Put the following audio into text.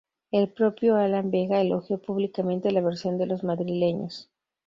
El propio Alan Vega elogió públicamente la versión de los madrileños.